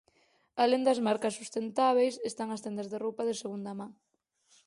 Alén das marcas sustentábeis, están as tendas de roupa de segunda man.